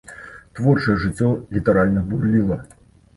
Творчае жыццё літаральна бурліла.